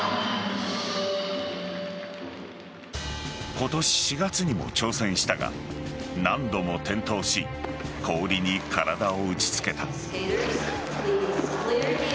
今年４月にも挑戦したが何度も転倒し氷に体を打ち付けた。